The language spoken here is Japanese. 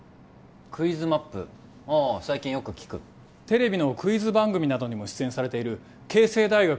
ああ最近よく聞くテレビのクイズ番組などにも出演されている慶成大学